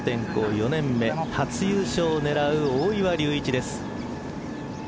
４年目初優勝を狙う大岩龍一です。